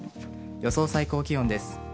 予想最高気温です。